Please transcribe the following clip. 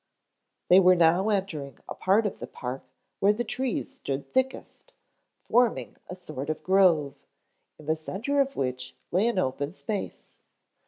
They were now entering a part of the park where the trees stood thickest, forming a sort of grove, in the centre of which lay an open space.